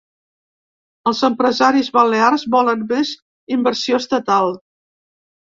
Els empresaris balears volen més inversió estatal.